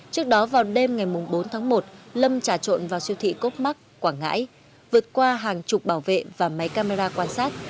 trước đó vào đêm ngày bốn tháng một lâm trà trộn vào siêu thị cốt mắc quảng ngãi vượt qua hàng chục bảo vệ và máy camera quan sát